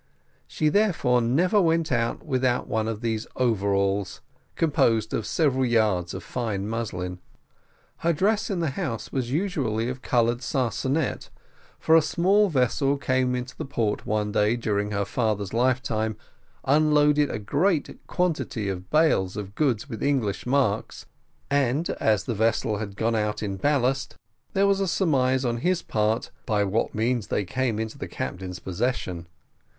She therefore never went out without one of these overalls, composed of several yards of fine muslin. Her dress in the house was usually of coloured sarcenet, for a small vessel came into the port one day during her father's lifetime, unloaded a great quantity of bales of goods with English marks; and as the vessel had gone out in ballast, there was a surmise on his part by what means they came into the captain's possession.